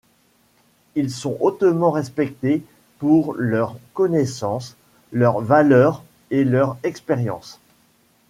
Ils sont hautement respectés pour leurs connaissances, leurs valeurs et leur expérience.